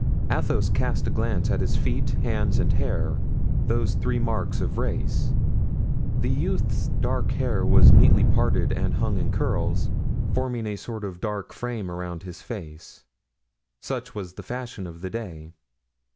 Athos cast a glance at his feet, hands and hair—those three marks of race. The youth's dark hair was neatly parted and hung in curls, forming a sort of dark frame around his face; such was the fashion of the day.